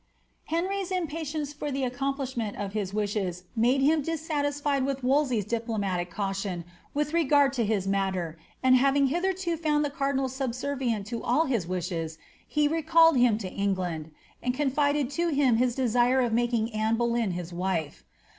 "* Henry^s impatience for the accomplishment of his wishes made him dissatisfied with Wolsey's diplomatic caution with regard to ^ his mat ter,''and, havmg^ hitherto found the cardinal subservient to all his wishes, he recalled him to England, and confided to him his desire of making Aane Boleyn hia wife.'